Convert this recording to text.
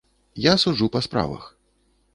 Я суджу па справах.